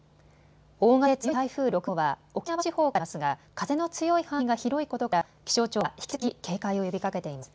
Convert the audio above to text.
大型で強い台風６号は沖縄地方から次第に離れていますが風の強い範囲が広いことから気象庁は引き続き警戒を呼びかけています。